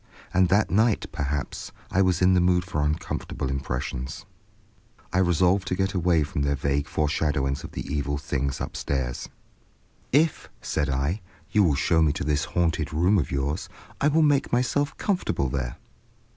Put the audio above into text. And that night, perhaps, I was in the mood for uncomfortable impressions. I resolved to get away from their vague fore shadowings of the evil things upstairs. "If," said I, "you will show me to this haunted room of yours, I will make myself comfortable there."